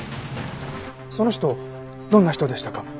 その人どんな人でしたか？